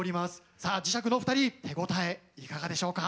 さあ磁石のお二人手応えいかがでしょうか？